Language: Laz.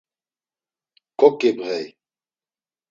K̆oǩibğey.